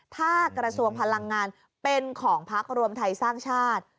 ถ้ากระทรวงพลังงานเป็นของพักรวมไทยสร้างชาติ